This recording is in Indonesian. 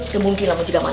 kemungkinan masih gaman ya